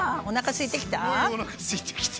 すごいおなかすいてきた。